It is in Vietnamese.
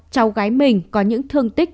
cháu gái mình có những thương tích